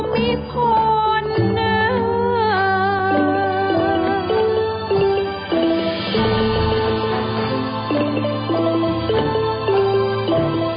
ที่สุดท้ายที่สุดท้ายที่สุดท้าย